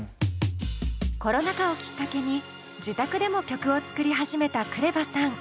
コロナ禍をきっかけに自宅でも曲を作り始めたＫＲＥＶＡさん。